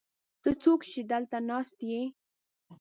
ته څوک يې، چې دلته ناست يې؟